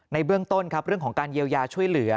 เบื้องต้นครับเรื่องของการเยียวยาช่วยเหลือ